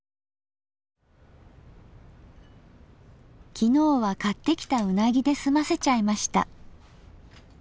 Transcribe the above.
昨日は買ってきたうなぎで済ませちゃいました。